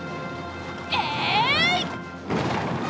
えい！